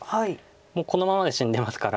このままで死んでますから。